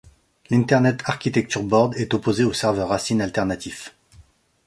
L’Internet Architecture Board est opposée aux serveurs racine alternatifs.